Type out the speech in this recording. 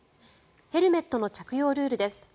ヘルメットの着用ルールです。